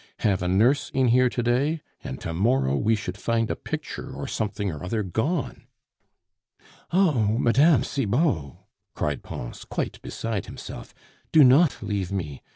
Have a nurse in here to day, and to morrow we should find a picture or something or other gone " "Oh! Mme. Cibot!" cried Pons, quite beside himself, "do not leave me!